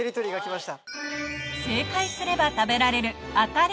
正解すれば食べられる